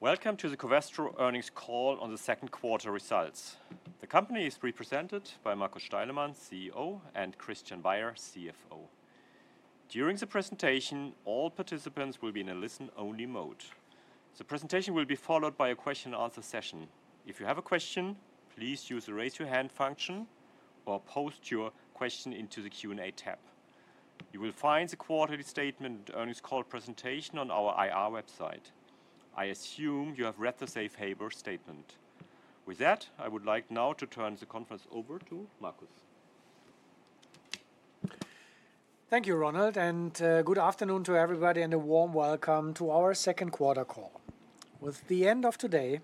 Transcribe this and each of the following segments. Welcome to the Covestro Earnings Call on the Second Quarter Results. The company is represented by Markus Steilemann, CEO, and Christian Baier, CFO. During the presentation, all participants will be in a listen-only mode. The presentation will be followed by a question-and-answer session. If you have a question, please use the raise-your-hand function or post your question into the Q&A tab. You will find the quarterly statement and earnings call presentation on our IR website. I assume you have read the safe-harbor statement. With that, I would like now to turn the conference over to Markus. Thank you, Ronald, and good afternoon to everybody and a warm welcome to our second quarter call. With the end of today,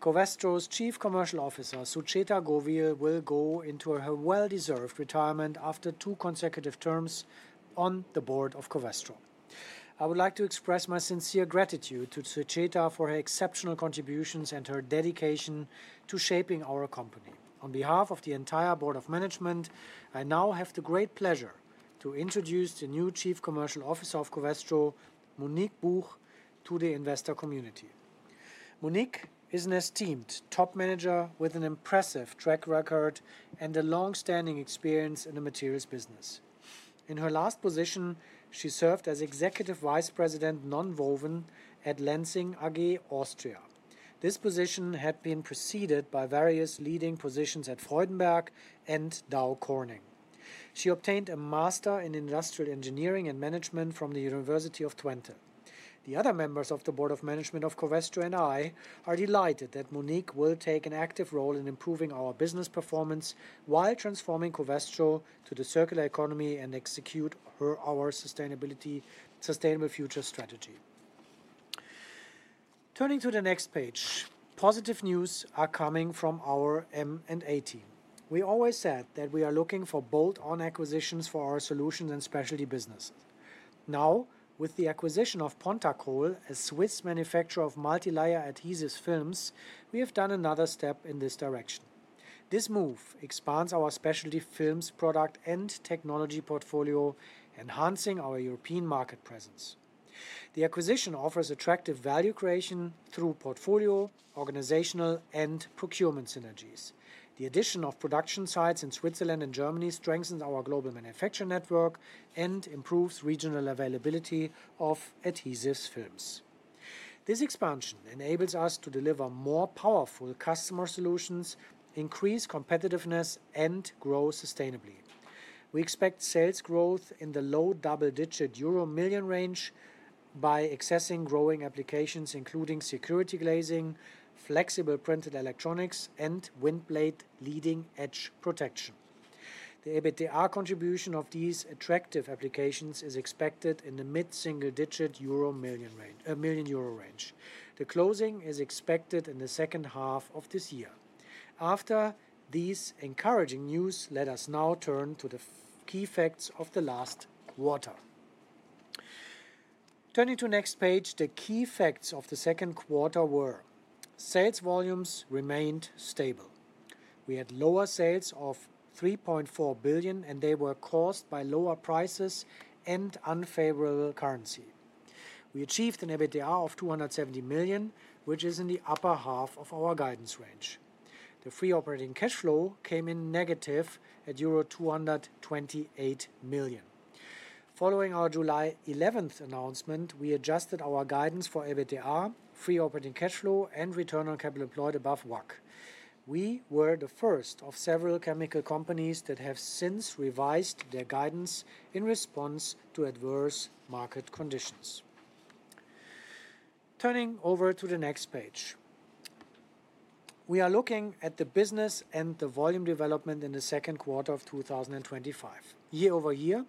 Covestro's Chief Commercial Officer, Sucheta Govil, will go into her well-deserved retirement after two consecutive terms on the Board of Covestro. I would like to express my sincere gratitude to Sucheta for her exceptional contributions and her dedication to shaping our company. On behalf of the entire Board of Management, I now have the great pleasure to introduce the new Chief Commercial Officer of Covestro, Monique Buch, to the investor community. Monique is an esteemed top manager with an impressive track record and a long-standing experience in the materials business. In her last position, she served as Executive Vice President Nonwoven at Lenzing AG, Austria. This position had been preceded by various leading positions at Freudenberg and Dow Corning. She obtained a Master in Industrial Engineering and Management from the University of Twente. The other members of the Board of Management of Covestro and I are delighted that Monique will take an active role in improving our business performance while transforming Covestro to the circular economy and execute our sustainable future strategy. Turning to the next page, positive news are coming from our M&A team. We always said that we are looking for bolt-on acquisitions for our solutions and specialty businesses. Now, with the acquisition of Pontacol, a Swiss manufacturer of multi-layer adhesive films, we have done another step in this direction. This move expands our specialty films product and technology portfolio, enhancing our European market presence. The acquisition offers attractive value creation through portfolio, organizational, and procurement synergies. The addition of production sites in Switzerland and Germany strengthens our global manufacturing network and improves regional availability of adhesive films. This expansion enables us to deliver more powerful customer solutions, increase competitiveness, and grow sustainably. We expect sales growth in the low double-digit euro million range by accessing growing applications including security glazing, flexible printed electronics, and windblade leading-edge protection. The EBITDA contribution of these attractive applications is expected in the mid-single-digit euro million range. The closing is expected in the second half of this year. After these encouraging news, let us now turn to the key facts of the last quarter. Turning to the next page, the key facts of the second quarter were: sales volumes remained stable. We had lower sales of 3.4 billion, and they were caused by lower prices and unfavorable currency. We achieved an EBITDA of 270 million, which is in the upper half of our guidance range. The free operating cash flow came in negative at euro 228 million. Following our July 11th announcement, we adjusted our guidance for EBITDA, free operating cash flow, and return on capital employed above WACC. We were the first of several chemical companies that have since revised their guidance in response to adverse market conditions. Turning over to the next page. We are looking at the business and the volume development in the second quarter of 2025. Year-over-year,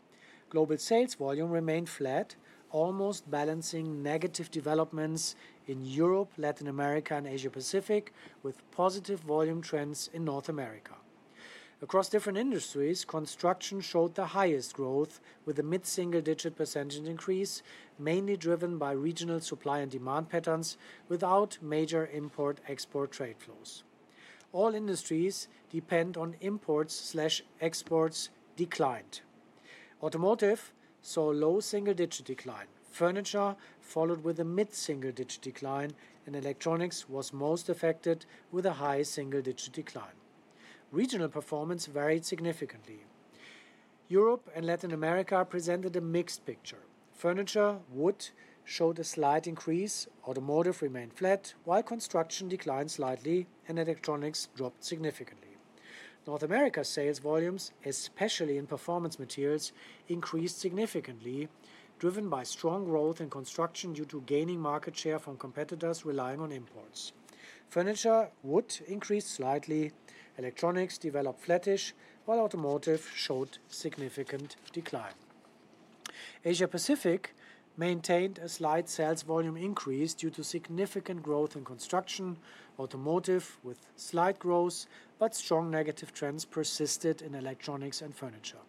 global sales volume remained flat, almost balancing negative developments in Europe, Latin America, and Asia-Pacific, with positive volume trends in North America. Across different industries, construction showed the highest growth, with a mid-single-digit % increase, mainly driven by regional supply and demand patterns without major import-export trade flows. All industries dependent on imports/exports declined. Automotive saw a low single-digit decline. Furniture followed with a mid-single-digit decline, and electronics was most affected with a high single-digit decline. Regional performance varied significantly. Europe and Latin America presented a mixed picture. Furniture/wood showed a slight increase, automotive remained flat, while construction declined slightly and electronics dropped significantly. North America's sales volumes, especially in performance materials, increased significantly, driven by strong growth in construction due to gaining market share from competitors relying on imports. Furniture/wood increased slightly, electronics developed flattish, while automotive showed significant decline. Asia-Pacific maintained a slight sales volume increase due to significant growth in construction, automotive with slight growth, but strong negative trends persisted in electronics and furniture.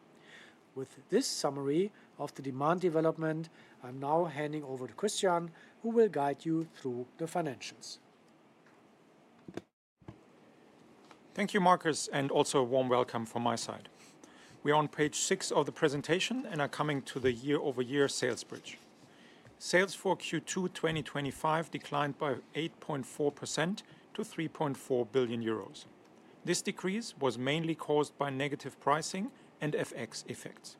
With this summary of the demand development, I'm now handing over to Christian, who will guide you through the financials. Thank you, Markus, and also a warm welcome from my side. We are on page six of the presentation and are coming to the year-over-year sales bridge. Sales for Q2 2025 declined by 8.4% to 3.4 billion euros. This decrease was mainly caused by negative pricing and FX effects.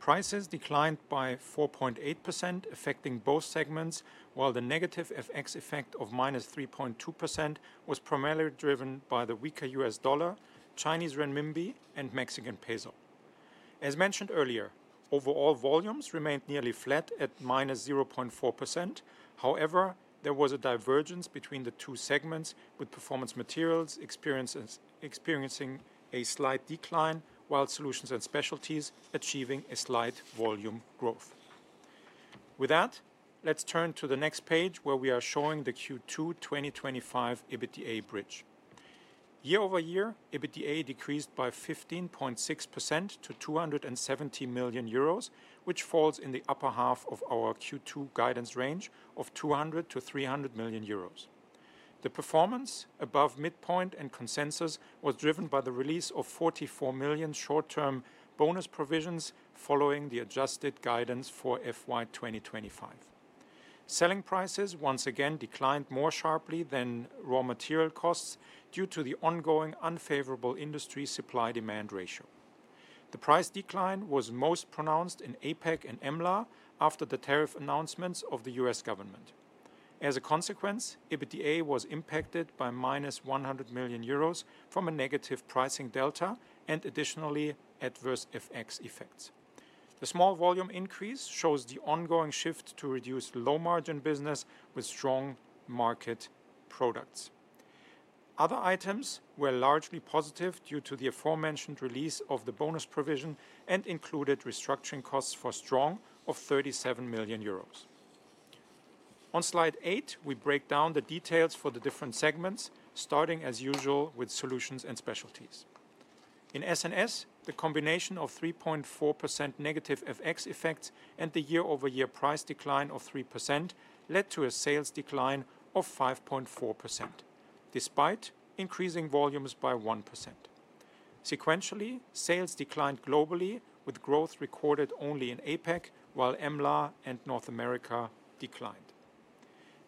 Prices declined by 4.8%, affecting both segments, while the negative FX effect of -3.2% was primarily driven by the weaker U.S. dollar, Chinese RMB, and Mexican peso. As mentioned earlier, overall volumes remained nearly flat at -0.4%. However, there was a divergence between the two segments, with performance materials experiencing a slight decline while solutions and specialties achieving a slight volume growth. With that, let's turn to the next page, where we are showing the Q2 2025 EBITDA bridge. Year-over-year, EBITDA decreased by 15.6% to 270 million euros, which falls in the upper half of our Q2 guidance range of 200 million-300 million euros. The performance above midpoint and consensus was driven by the release of 44 million short-term bonus provisions following the adjusted guidance for FY 2025. Selling prices once again declined more sharply than raw material costs due to the ongoing unfavorable industry supply-demand ratio. The price decline was most pronounced in APEC and EMLA after the tariff announcements of the U.S. government. As a consequence, EBITDA was impacted by -100 million euros from a negative pricing delta and additionally adverse FX effects. The small volume increase shows the ongoing shift to reduce low-margin business with strong market products. Other items were largely positive due to the aforementioned release of the bonus provision and included restructuring costs for strong of 37 million euros. On slide 8, we break down the details for the different segments, starting as usual with Solutions and Specialties. In S&S, the combination of 3.4% negative FX effects and the year-over-year price decline of 3% led to a sales decline of 5.4%, despite increasing volumes by 1%. Sequentially, sales declined globally, with growth recorded only in APEC, while EMLA and North America declined.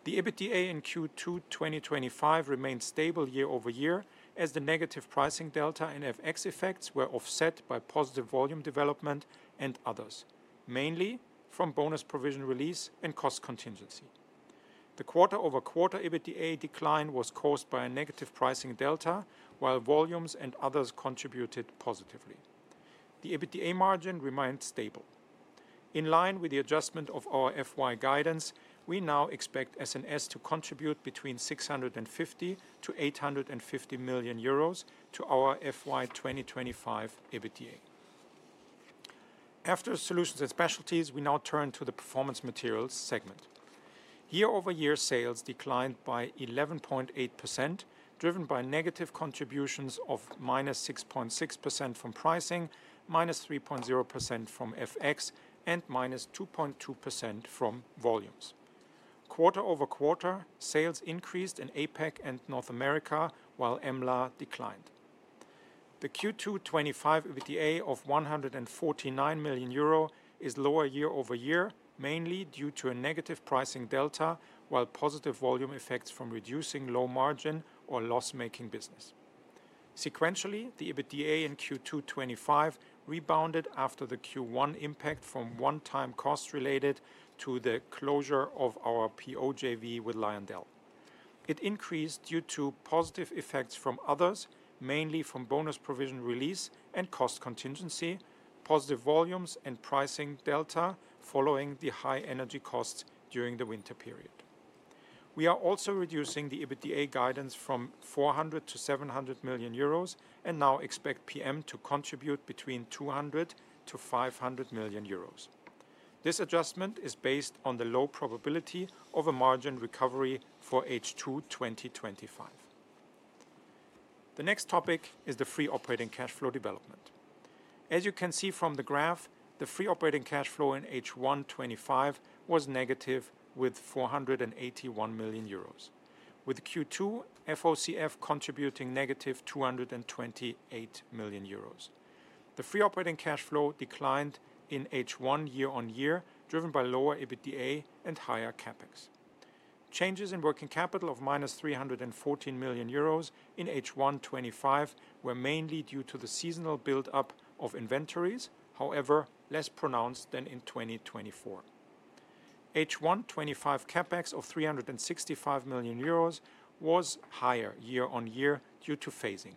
The EBITDA in Q2 2025 remained stable year-over-year, as the negative pricing delta and FX effects were offset by positive volume development and others, mainly from bonus provision release and cost contingency. The quarter-over-quarter EBITDA decline was caused by a negative pricing delta, while volumes and others contributed positively. The EBITDA margin remained stable. In line with the adjustment of our FY guidance, we now expect S&S to contribute between 650 million-850 million euros to our FY 2025 EBITDA. After Solutions and Specialties, we now turn to the Performance Materials segment. Year-over-year sales declined by 11.8%, driven by negative contributions of -6.6% from pricing, -3.0% from FX, and -2.2% from volumes. Quarter-over-quarter, sales increased in APEC and North America, while EMLA declined. The Q2 2025 EBITDA of 149 million euro is lower year-over-year, mainly due to a negative pricing delta while positive volume effects from reducing low-margin or loss-making business. Sequentially, the EBITDA in Q2 2025 rebounded after the Q1 impact from one-time costs related to the closure of our PO JV with Lyondell. It increased due to positive effects from others, mainly from bonus provision release and cost contingency, positive volumes, and pricing delta following the high energy costs during the winter period. We are also reducing the EBITDA guidance from 400 million-700 million euros and now expect PM to contribute between 200 million-500 million euros. This adjustment is based on the low probability of a margin recovery for H2 2025. The next topic is the free operating cash flow development. As you can see from the graph, the free operating cash flow in H1 2025 was negative with 481 million euros, with Q2 FOCF contributing -228 million euros. The free operating cash flow declined in H1 year on year, driven by lower EBITDA and higher CapEx. Changes in working capital of -314 million euros in H1 2025 were mainly due to the seasonal build-up of inventories, however less pronounced than in 2024. H1 2025 CapEx of 365 million euros was higher year on year due to phasing.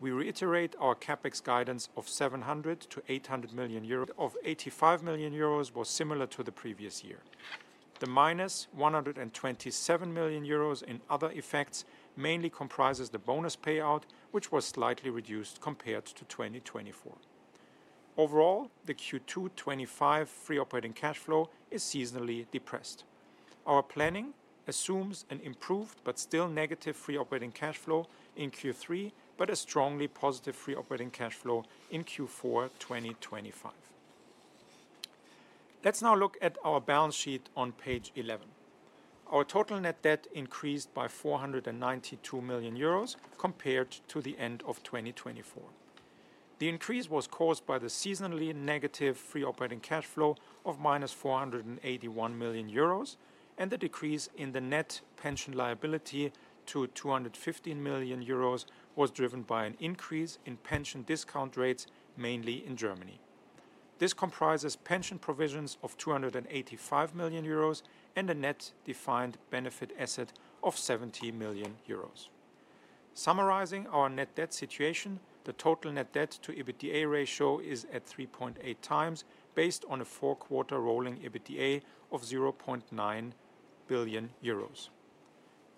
We reiterate our CapEx guidance of 700 million-800 million euros. Of 85 million euros was similar to the previous year. The -127 million euros in other effects mainly comprises the bonus payout, which was slightly reduced compared to 2024. Overall, the Q2 2025 free operating cash flow is seasonally depressed. Our planning assumes an improved but still negative free operating cash flow in Q3, but a strongly positive free operating cash flow in Q4 2025. Let's now look at our balance sheet on page 11. Our total net debt increased by 492 million euros compared to the end of 2024. The increase was caused by the seasonally negative free operating cash flow of -481 million euros, and the decrease in the net pension liability to 215 million euros was driven by an increase in pension discount rates, mainly in Germany. This comprises pension provisions of 285 million euros and a net defined benefit asset of 70 million euros. Summarizing our net debt situation, the total net debt to EBITDA ratio is at 3.8 times based on a four-quarter rolling EBITDA of 0.9 billion euros.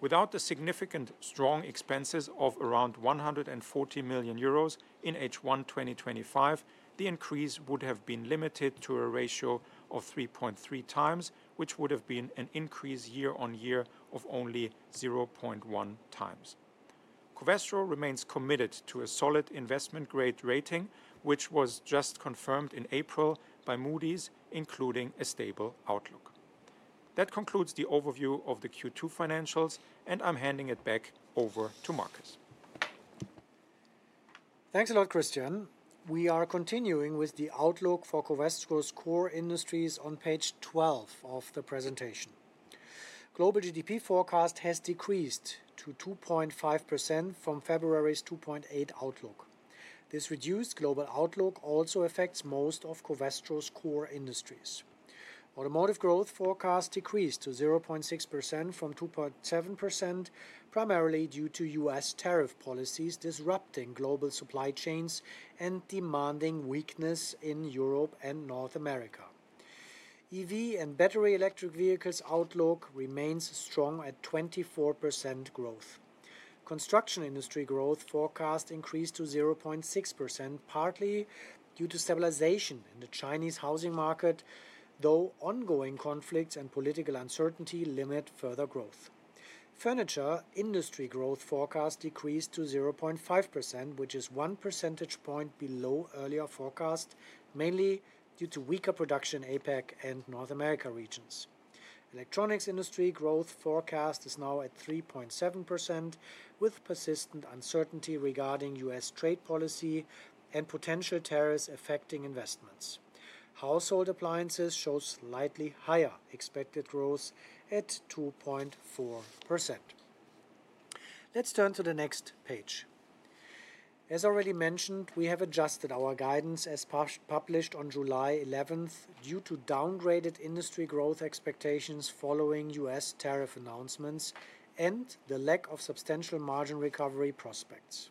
Without the significant strong expenses of around 140 million euros in H1 2025, the increase would have been limited to a ratio of 3.3 times, which would have been an increase year on year of only 0.1 times. Covestro remains committed to a solid investment-grade rating, which was just confirmed in April by Moody’s, including a stable outlook. That concludes the overview of the Q2 financials, and I'm handing it back over to Markus. Thanks a lot, Christian. We are continuing with the outlook for Covestro's core industries on page 12 of the presentation. Global GDP forecast has decreased to 2.5% from February's 2.8% outlook. This reduced global outlook also affects most of Covestro's core industries. Automotive growth forecast decreased to 0.6% from 2.7%, primarily due to U.S. tariff policies disrupting global supply chains and demand weakness in Europe and North America. EV and battery electric vehicles outlook remains strong at 24% growth. Construction industry growth forecast increased to 0.6%, partly due to stabilization in the Chinese housing market, though ongoing conflicts and political uncertainty limit further growth. Furniture industry growth forecast decreased to 0.5%, which is one percentage point below earlier forecast, mainly due to weaker production in APEC and North America regions. Electronics industry growth forecast is now at 3.7%, with persistent uncertainty regarding U.S. trade policy and potential tariffs affecting investments. Household appliances show slightly higher expected growth at 2.4%. Let's turn to the next page. As already mentioned, we have adjusted our guidance as published on July 11 due to downgraded industry growth expectations following U.S. tariff announcements and the lack of substantial margin recovery prospects.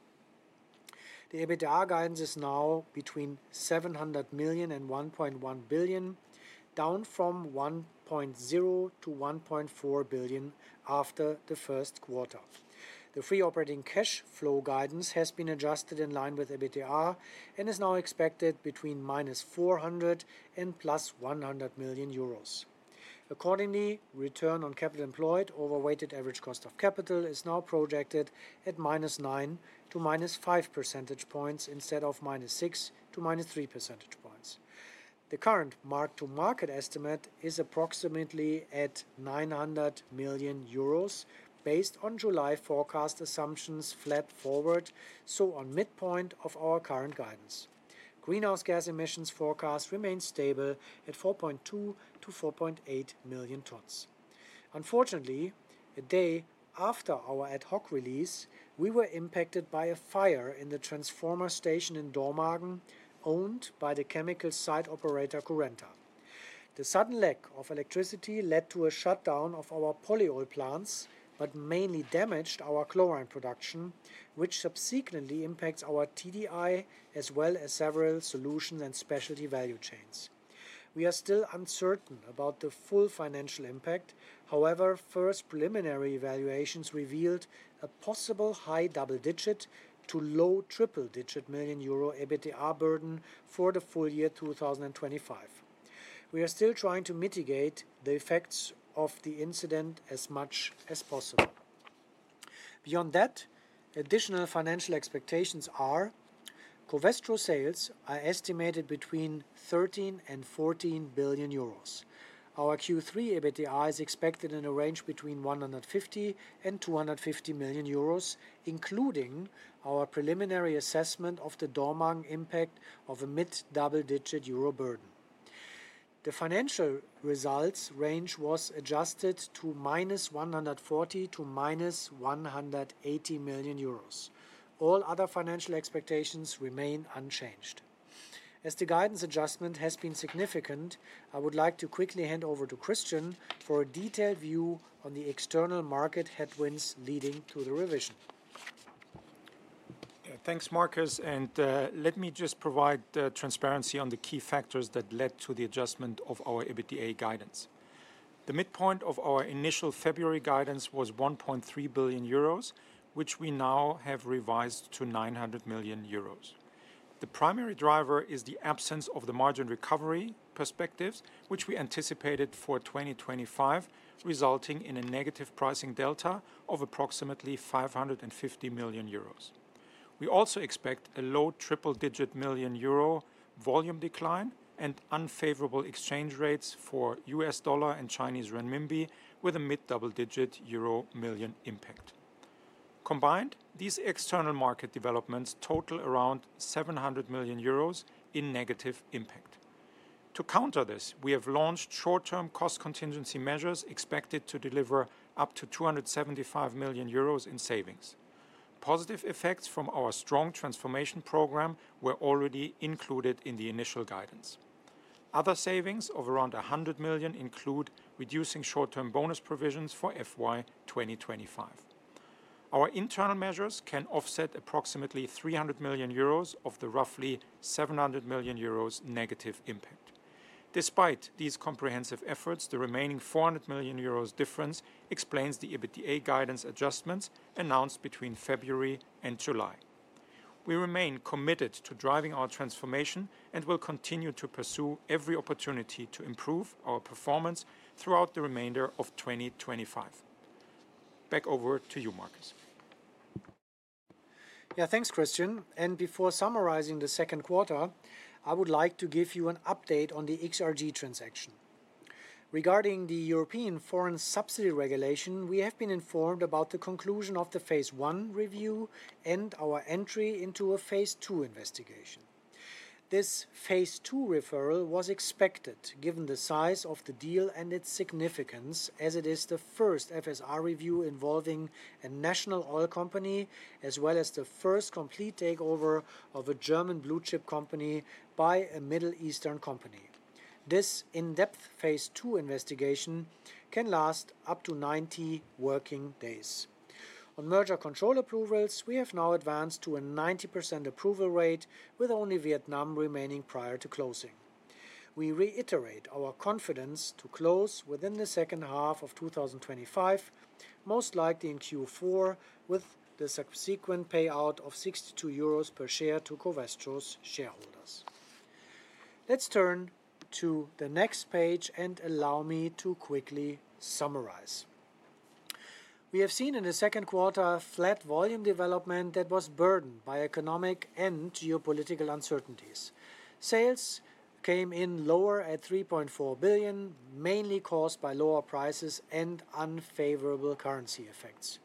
The EBITDA guidance is now between 700 million and 1.1 billion, down from 1.0 billion to 1.4 billion after the first quarter. The free operating cash flow guidance has been adjusted in line with EBITDA and is now expected between -400 million and +100 million euros. Accordingly, return on capital employed over weighted average cost of capital is now projected at -9 to -5 percentage points instead of -6 to -3 percentage points. The current mark-to-market estimate is approximately at 900 million euros based on July forecast assumptions flat forward, so on midpoint of our current guidance. Greenhouse gas emissions forecast remains stable at 4.2 to 4.8 million tons. Unfortunately, a day after our ad hoc release, we were impacted by a fire in the transformer station in Dormagen, owned by the chemical site operator Currenta. The sudden lack of electricity led to a shutdown of our polyol plants but mainly damaged our chlorine production, which subsequently impacts our TDI as well as several solutions and specialty value chains. We are still uncertain about the full financial impact. However, first preliminary evaluations revealed a possible high double-digit to low triple-digit million euro EBITDA burden for the full year 2025. We are still trying to mitigate the effects of the incident as much as possible. Beyond that, additional financial expectations are. Covestro sales are estimated between 13 billion and 14 billion euros. Our Q3 EBITDA is expected in a range between 150 million and 250 million euros, including our preliminary assessment of the Dormagen impact of a mid-double-digit million euro burden. The financial results range was adjusted to - 140 million to -180 million euros. All other financial expectations remain unchanged. As the guidance adjustment has been significant, I would like to quickly hand over to Christian for a detailed view on the external market headwinds leading to the revision. Thanks, Markus. Let me just provide transparency on the key factors that led to the adjustment of our EBITDA guidance. The midpoint of our initial February guidance was 1.3 billion euros, which we now have revised to 900 million euros. The primary driver is the absence of the margin recovery perspectives, which we anticipated for 2025, resulting in a negative pricing delta of approximately 550 million euros. We also expect a low triple-digit million euro volume decline and unfavorable exchange rates for U.S. dollar and Chinese RMB, with a mid-double-digit euro million impact. Combined, these external market developments total around 700 million euros in negative impact. To counter this, we have launched short-term cost contingency measures expected to deliver up to 275 million euros in savings. Positive effects from our strong transformation program were already included in the initial guidance. Other savings of around 100 million include reducing short-term bonus provisions for FY 2025. Our internal measures can offset approximately 300 million euros of the roughly 700 million euros negative impact. Despite these comprehensive efforts, the remaining 400 million euros difference explains the EBITDA guidance adjustments announced between February and July. We remain committed to driving our transformation and will continue to pursue every opportunity to improve our performance throughout the remainder of 2025. Back over to you, Markus. Yeah, thanks, Christian. Before summarizing the second quarter, I would like to give you an update on the XRG transaction. Regarding the European Foreign Subsidy Regulation, we have been informed about the conclusion of the phase one review and our entry into a phase two investigation. This phase two referral was expected given the size of the deal and its significance, as it is the first FSR review involving a national oil company, as well as the first complete takeover of a German blue chip company by a Middle Eastern company. This in-depth phase two investigation can last up to 90 working days. On merger control approvals, we have now advanced to a 90% approval rate, with only Vietnam remaining prior to closing. We reiterate our confidence to close within the second half of 2025, most likely in Q4, with the subsequent payout of 62 euros per share to Covestro's shareholders. Let's turn to the next page and allow me to quickly summarize. We have seen in the second quarter flat volume development that was burdened by economic and geopolitical uncertainties. Sales came in lower at 3.4 billion, mainly caused by lower prices and unfavorable currency effects.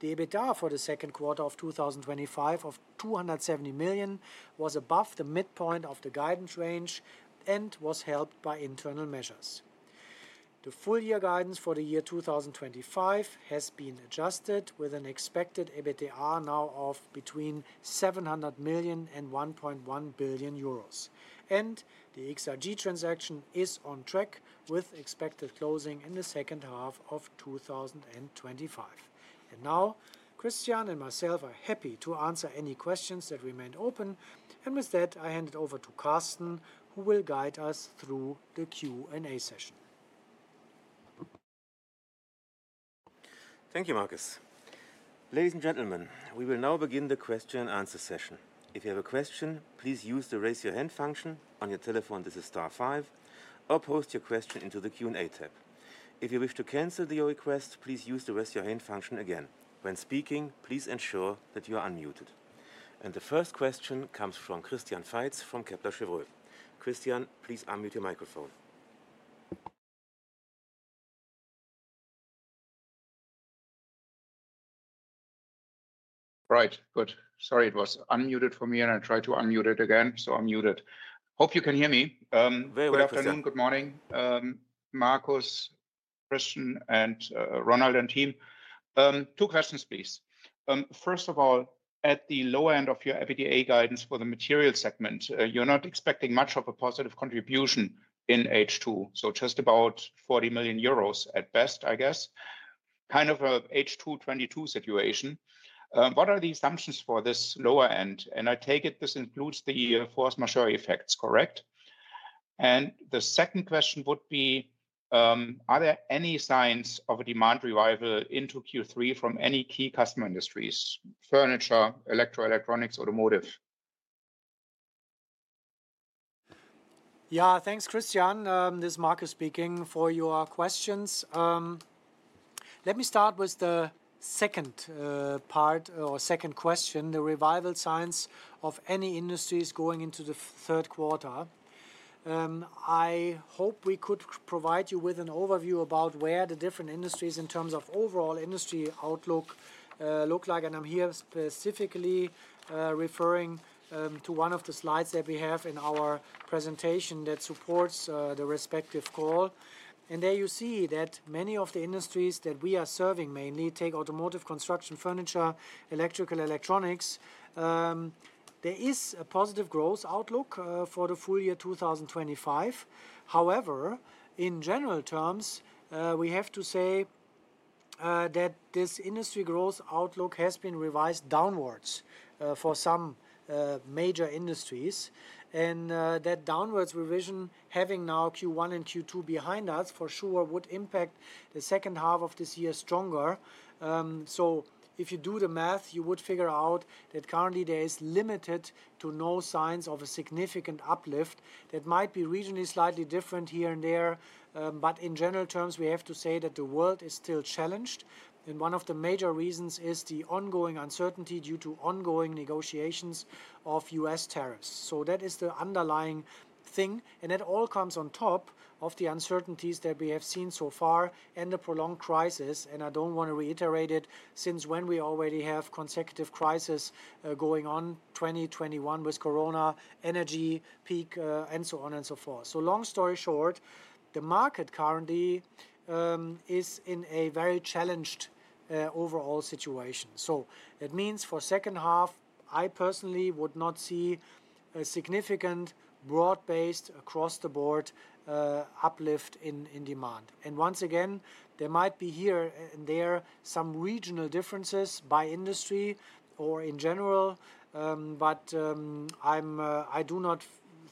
The EBITDA for the second quarter of 2025 of 270 million was above the midpoint of the guidance range and was helped by internal measures. The full year guidance for the year 2025 has been adjusted with an expected EBITDA now of between 700 million and 1.1 billion euros. The XRG transaction is on track with expected closing in the second half of 2025. Christian and myself are happy to answer any questions that remain open. With that, I hand it over to Carsten, who will guide us through the Q&A session. Thank you, Markus. Ladies and gentlemen, we will now begin the question-and-answer session. If you have a question, please use the raise-your-hand function on your telephone. This is star five, or post your question into the Q&A tab. If you wish to cancel your request, please use the raise-your-hand function again. When speaking, please ensure that you are unmuted. The first question comes from Christian Faitz from Kepler Chevreux. Christian, please unmute your microphone. Right, good. Sorry, it was unmuted for me, and I tried to unmute it again, so I muted. Hope you can hear me. Very well. Good afternoon, good morning. Markus, Christian, and Ronald and team, two questions, please. First of all, at the lower end of your EBITDA guidance for the material segment, you're not expecting much of a positive contribution in H2, so just about 40 million euros at best, I guess, kind of an H2 2022 situation. What are the assumptions for this lower end? I take it this includes the force majeure effects, correct? The second question would be, are there any signs of a demand revival into Q3 from any key customer industries, furniture, electro-electronics, automotive? Yeah, thanks, Christian. This is Markus speaking for your questions. Let me start with the second part or second question, the revival signs of any industries going into the third quarter. I hope we could provide you with an overview about where the different industries in terms of overall industry outlook look like. I'm here specifically referring to one of the slides that we have in our presentation that supports the respective call. There you see that many of the industries that we are serving, mainly take automotive, construction, furniture, electrical, electronics. There is a positive growth outlook for the full year 2025. However, in general terms, we have to say that this industry growth outlook has been revised downwards for some major industries. That downwards revision, having now Q1 and Q2 behind us, for sure would impact the second half of this year stronger. If you do the math, you would figure out that currently, there is limited to no signs of a significant uplift. That might be regionally slightly different here and there. In general terms, we have to say that the world is still challenged. One of the major reasons is the ongoing uncertainty due to ongoing negotiations of U.S. tariffs. That is the underlying thing. That all comes on top of the uncertainties that we have seen so far and the prolonged crisis. I don't want to reiterate it since when we already have consecutive crises going on, 2021 with Corona, energy peak, and so on and so forth. Long story short, the market currently is in a very challenged overall situation. That means for the second half, I personally would not see a significant broad-based across-the-board uplift in demand. Once again, there might be here and there some regional differences by industry or in general, but I do not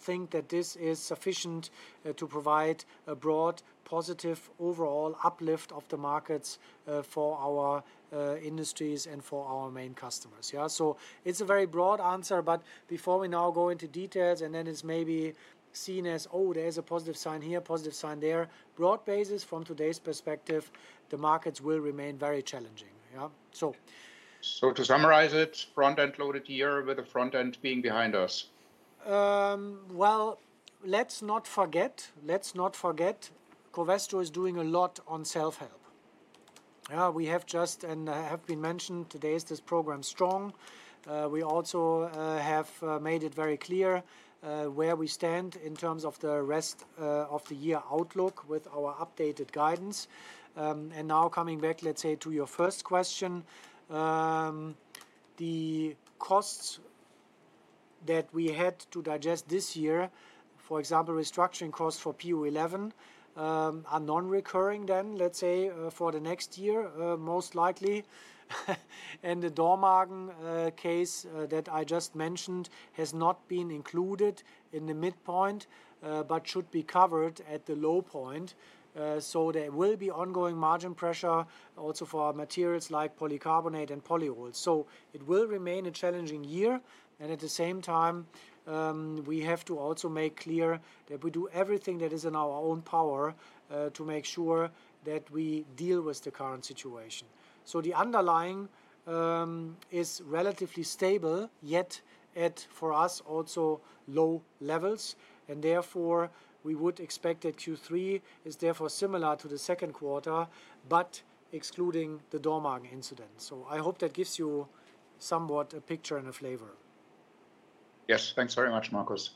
think that this is sufficient to provide a broad positive overall uplift of the markets for our industries and for our main customers. Yeah, so it's a very broad answer, but before we now go into details and then it's maybe seen as, oh, there's a positive sign here, positive sign there, broad basis from today's perspective, the markets will remain very challenging. Yeah, so. To summarize it, front-end loaded here with the front-end being behind us. Let's not forget, Covestro is doing a lot on self-help. We have just, and as has been mentioned, today's this program strong. We also have made it very clear where we stand in terms of the rest of the year outlook with our updated guidance. Now coming back, let's say, to your first question. The costs that we had to digest this year, for example, restructuring costs for PU-11, are non-recurring then, let's say, for the next year, most likely. The Dormagen case that I just mentioned has not been included in the midpoint, but should be covered at the low point. There will be ongoing margin pressure also for materials like polycarbonate and polyols. It will remain a challenging year. At the same time, we have to also make clear that we do everything that is in our own power to make sure that we deal with the current situation. The underlying is relatively stable, yet at, for us, also low levels. Therefore, we would expect that Q3 is therefore similar to the second quarter, but excluding the Dormagen incident. I hope that gives you somewhat a picture and a flavor. Yes, thanks very much, Markus.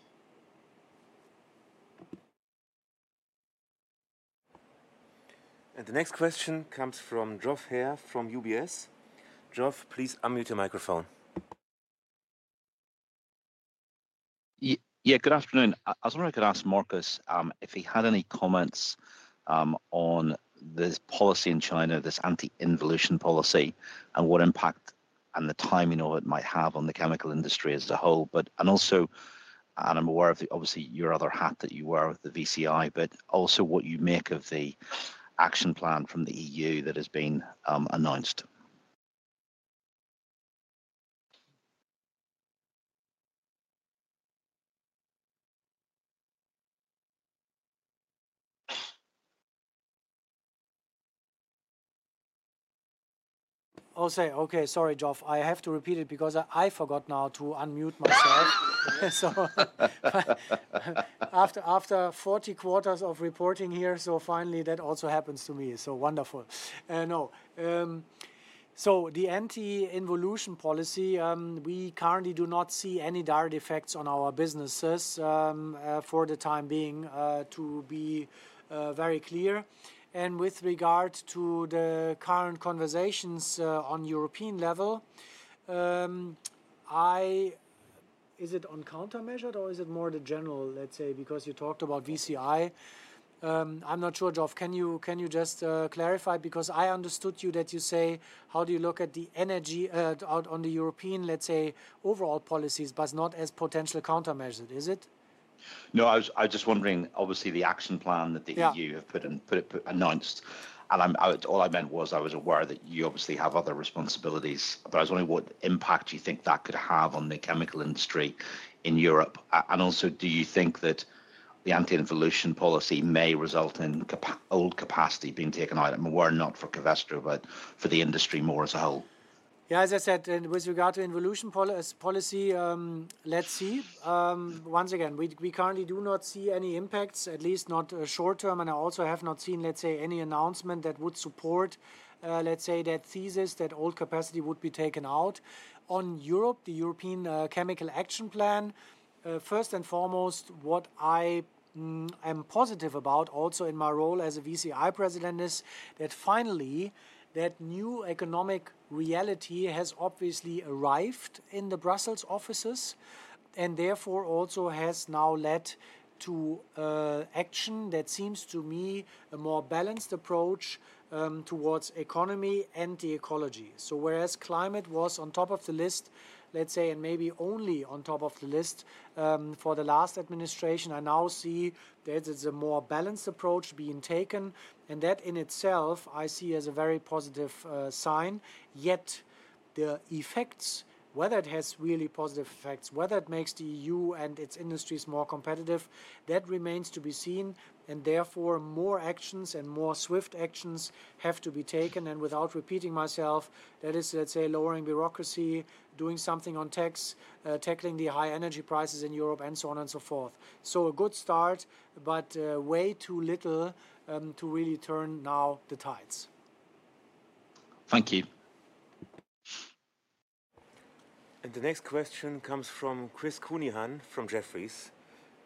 The next question comes from Geoff Haire from UBS. Geoff, please unmute your microphone. Yeah, good afternoon. I was wondering if I could ask Markus if he had any comments on this policy in China, this anti-involution policy, and what impact and the timing of it might have on the chemical industry as a whole. I'm aware of obviously your other hat that you wear with the VCI, but also what you make of the action plan from the EU that has been announced. Okay, sorry, Geoff, I have to repeat it because I forgot now to unmute myself. After 40 quarters of reporting here, finally that also happens to me. Wonderful. The anti-involution policy, we currently do not see any direct effects on our businesses for the time being, to be very clear. With regard to the current conversations on European level, is it on countermeasure or is it more the general, let's say, because you talked about VCI? I'm not sure, Geoff, can you just clarify because I understood you that you say, how do you look at the energy out on the European, let's say, overall policies, but not as potential countermeasure, is it? No, I was just wondering, obviously the action plan that the EU have announced, and all I meant was I was aware that you obviously have other responsibilities, but I was wondering what impact you think that could have on the chemical industry in Europe. Also, do you think that the anti-involution policy may result in old capacity being taken out? I'm aware not for Covestro, but for the industry more as a whole. Yeah, as I said, with regard to involution policy, let's see. Once again, we currently do not see any impacts, at least not short term. I also have not seen any announcement that would support that thesis that old capacity would be taken out. On Europe, the European Chemical Action Plan. First and foremost, what I am positive about also in my role as a VCI President is that finally that new economic reality has obviously arrived in the Brussels offices and therefore also has now led to action that seems to me a more balanced approach towards economy and the ecology. Whereas climate was on top of the list, and maybe only on top of the list for the last administration, I now see that it's a more balanced approach being taken. That in itself, I see as a very positive sign. Yet the effects, whether it has really positive effects, whether it makes the EU and its industries more competitive, that remains to be seen. Therefore, more actions and more swift actions have to be taken. Without repeating myself, that is lowering bureaucracy, doing something on tax, tackling the high energy prices in Europe, and so on and so forth. A good start, but way too little to really turn now the tides. Thank you. The next question comes from Chris Counihan from Jefferies.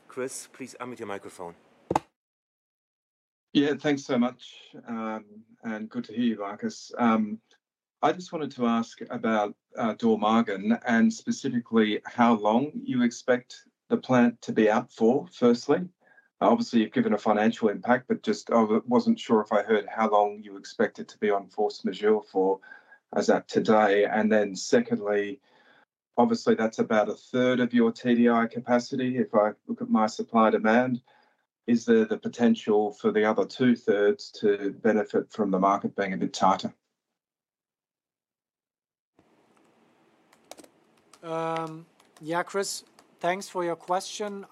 Chris, please unmute your microphone. Yeah, thanks so much. Good to hear you, Markus. I just wanted to ask about Dormagen and specifically how long you expect the plant to be out for, firstly. Obviously, you've given a financial impact, but I wasn't sure if I heard how long you expect it to be on force majeure for as at today. Secondly, that's about a third of your TDI capacity. If I look at my supply demand, is there the potential for the other two-thirds to benefit from the market being a bit tighter? Yeah, Chris, thanks for your question.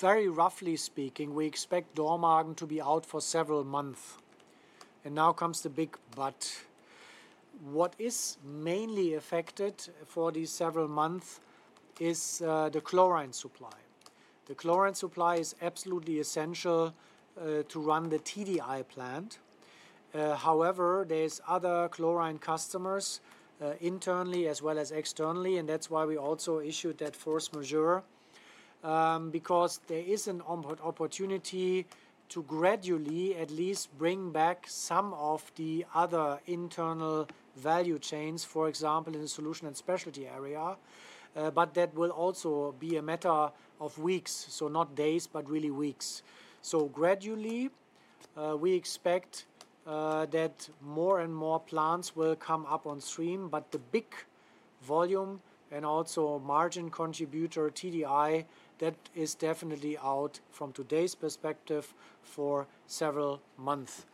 Very roughly speaking, we expect Dormagen to be out for several months. Now comes the big but. What is mainly affected for these several months is the chlorine supply. The chlorine supply is absolutely essential to run the TDI plant. However, there are other chlorine customers internally as well as externally. That's why we also issued that force majeure, because there is an opportunity to gradually at least bring back some of the other internal value chains, for example, in the solution and specialty area. That will also be a matter of weeks, not days, but really weeks. Gradually, we expect that more and more plants will come up on stream, but the big volume and also margin contributor TDI, that is definitely out from today's perspective for several months.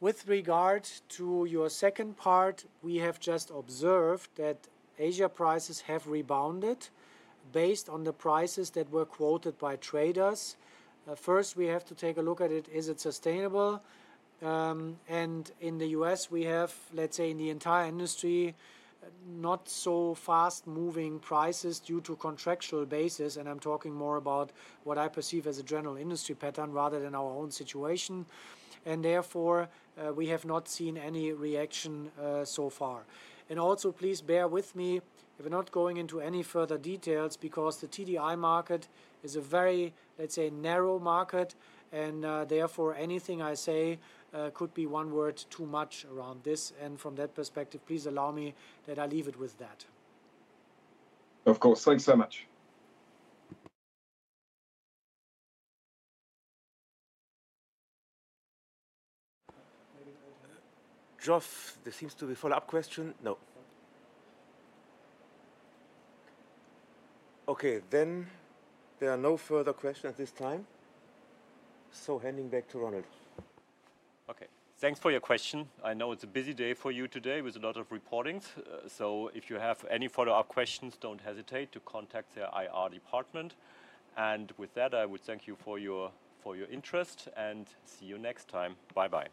With regard to your second part, we have just observed that Asia prices have rebounded based on the prices that were quoted by traders. First, we have to take a look at it, is it sustainable? In the U.S., we have, let's say, in the entire industry, not so fast moving prices due to contractual basis. I'm talking more about what I perceive as a general industry pattern rather than our own situation. Therefore, we have not seen any reaction so far. Also, please bear with me if we're not going into any further details because the TDI market is a very, let's say, narrow market. Therefore, anything I say could be one word too much around this. From that perspective, please allow me that I leave it with that. Of course, thanks so much. Geoff, there seems to be a follow-up question. No. Okay, there are no further questions at this time. Handing back to Ronald. Okay, thanks for your question. I know it's a busy day for you today with a lot of reportings. If you have any follow-up questions, don't hesitate to contact the IR department. With that, I would thank you for your interest and see you next time. Bye-bye.